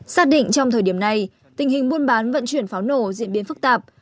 xác định trong thời điểm này tình hình buôn bán vận chuyển pháo nổ diễn biến phức tạp